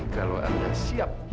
kalau anda siap